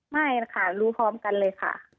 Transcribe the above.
ไม่ค่ะรู้พร้อมกันเลยค่ะ